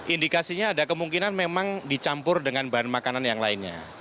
indikasinya ada kemungkinan memang dicampur dengan bahan makanan yang lainnya